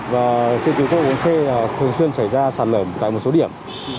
và trên tỉnh hà giang thường xuyên xảy ra sạt lở tại một số điểm